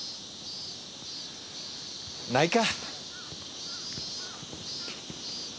ないか。